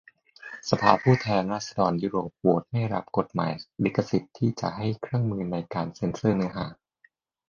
สภาผู้แทนราษฏรยุโรป โหวตไม่รับกฎหมายลิขสิทธิ์ที่จะให้เครื่องมือในการเซ็นเซอร์เนื้อหา